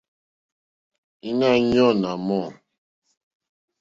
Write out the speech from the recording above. Íɲá í yɔ̀ɔ́ nà mɔ̂.